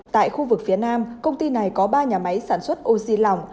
tại khu vực phía nam công ty này có ba nhà máy sản xuất oxy lỏng